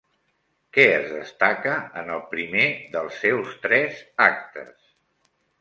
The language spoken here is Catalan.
Què es destaca en el primer dels seus tres actes?